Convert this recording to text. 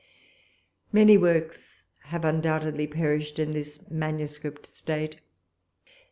Many works have undoubtedly perished in this manuscript state.